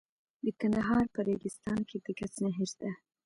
د کندهار په ریګستان کې د ګچ نښې شته.